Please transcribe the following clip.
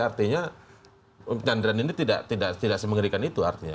artinya penyandaran ini tidak semengerikan itu artinya